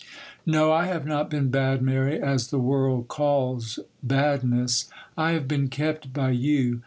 'No, I have not been bad, Mary, as the world calls badness. I have been kept by you.